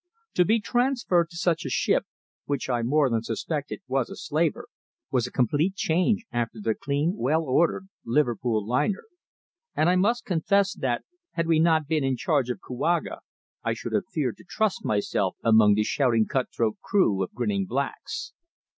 To be transferred to such a ship, which I more than suspected was a slaver, was a complete change after the clean, well ordered Liverpool liner, and I must confess that, had we not been in charge of Kouaga, I should have feared to trust myself among that shouting cut throat crew of grinning blacks.